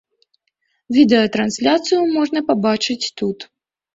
Відэатрансляцыю можна пабачыць тут.